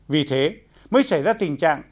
vì thế mới xảy ra tình trạng